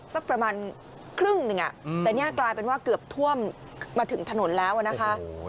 แต่นี่กลายเป็นว่าเกือบท่วมมาถึงถนนแล้วนะครับ